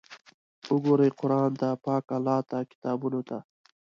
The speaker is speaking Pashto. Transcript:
وګورئ قرآن ته، پاک الله ته، کتابونو ته!